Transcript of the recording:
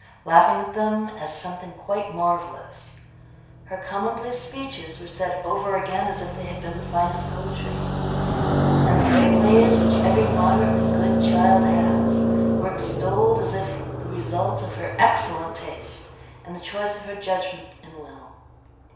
laughing at them as something quite marvellous; her commonplace speeches were said over again as if they had been the finest poetry; and the pretty ways which every moderately good child has were extolled as if the result of her excellent taste, and the choice of her judgment and will.